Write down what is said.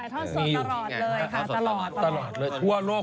ถ่ายทอดสดตลอดเลยค่ะตลอด